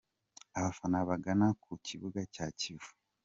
Abafana bagana ku kibuga cya Kivu.